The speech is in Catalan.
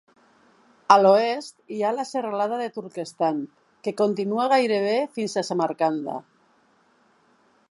A l'oest hi ha la serralada del Turquestan, que continua gairebé fins a Samarkanda.